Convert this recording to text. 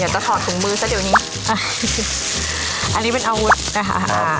จะถอดถุงมือซะเดี๋ยวนี้อันนี้เป็นอาวุธนะคะอ่า